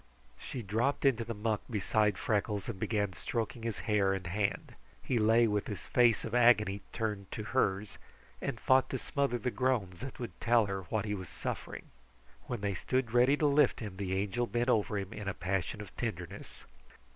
She dropped into the muck beside Freckles and began stroking his hair and hand. He lay with his face of agony turned to hers, and fought to smother the groans that would tell her what he was suffering. When they stood ready to lift him, the Angel bent over him in a passion of tenderness.